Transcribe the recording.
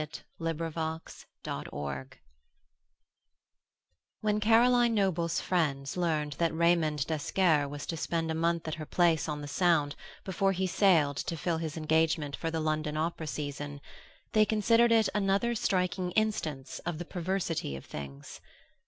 The Garden Lodge When Caroline Noble's friends learned that Raymond d'Esquerre was to spend a month at her place on the Sound before he sailed to fill his engagement for the London opera season, they considered it another striking instance of the perversity of things.